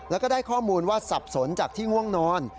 แล้วก็ได้ข้อมูลว่าสับสนจากที่ง่วงนอน